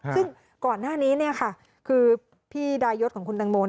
ซึ่งก่อนหน้านี้คือพี่ดายศของคุณตังโม